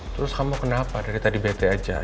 terus kamu kenapa dari tadi bete aja